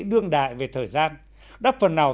đương đại về thời gian đáp phần nào